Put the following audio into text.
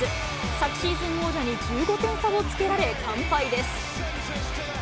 昨シーズン王者に１５点差をつけられ、完敗です。